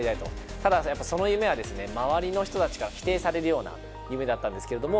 ただその夢はですね周りの人たちから否定されるような夢だったんですけれども。